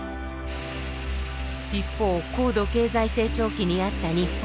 一方高度経済成長期にあった日本。